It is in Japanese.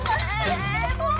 ねえもう！